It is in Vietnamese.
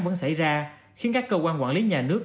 vẫn xảy ra khiến các cơ quan quản lý nhà nước